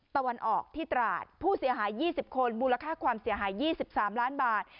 ตะวันออกที่ตราดผู้เสียหาย๒๐คนมูลค่าความเสียหาย๒๓ล้านบาท